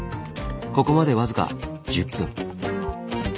ここまで僅か１０分。